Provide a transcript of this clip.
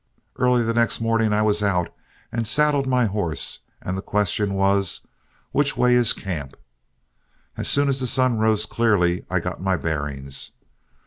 Early the next morning I was out and saddled my horse, and the question was, Which way is camp? As soon as the sun rose clearly, I got my bearings.